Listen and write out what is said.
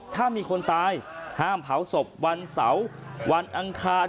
ถ้ามีคนตายห้ามเผาศพวันเสาร์วันอังคาร